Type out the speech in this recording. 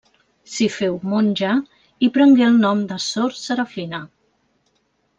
S'hi féu monja i prengué el nom de Sor Serafina.